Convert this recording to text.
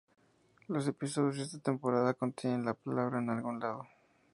Los episodios de esta temporada contienen la palabra en algún lado.